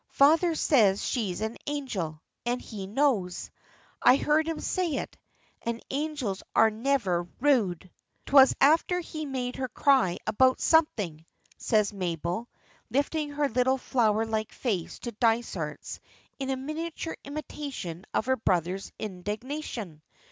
"Father says she's an angel, and he knows. I heard him say it, and angels are never rude!" "'Twas after he made her cry about something," says Mabel, lifting her little flower like face to Dysart's in a miniature imitation of her brother's indignation.